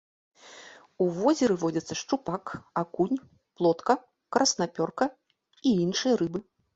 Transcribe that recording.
У возеры водзяцца шчупак, акунь, плотка, краснапёрка і іншыя рыбы.